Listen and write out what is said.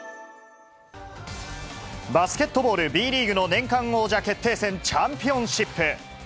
バスケットボールＢリーグの年間王者決定戦、チャンピオンシップ。